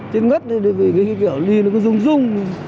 chứ ngất thì ghi kiểu đi nó có rung rung